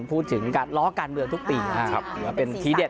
พูดถึงการล้อกันเมื่อทุกปีนะครับใช่หรือว่าเป็นขี้เด็ด